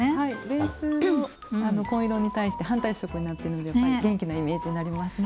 ベースの紺色に対して反対色になっているのでやっぱり元気なイメージになりますね。